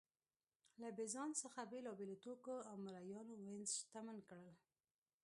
له بېزانس څخه بېلابېلو توکو او مریانو وینز شتمن کړ